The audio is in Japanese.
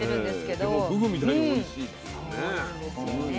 でもふぐみたいにおいしいっていうね。